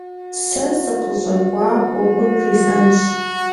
Сэ сыкъыщӏэкӏуа ӏуэхур бжесӏэнщ.